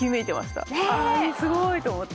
「あすごい」と思って。